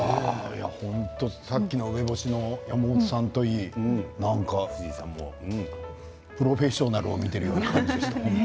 本当、さっきの梅干しの山本さんといい、なんか「プロフェッショナル」を見ているような感じでした。